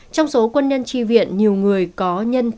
trong số quân nhân tri viện nhiều người có thể được tham gia chống dịch